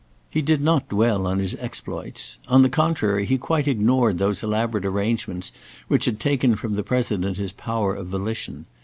He did not dwell on his exploits. On the contrary he quite ignored those elaborate arrangements which had taken from the President his power of volition.